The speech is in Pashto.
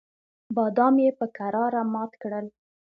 بادام یې په کراره مات کړل.